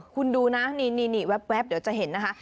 คุณดูนะนี่แว๊บเดี๋ยวจะเห็นนะคะ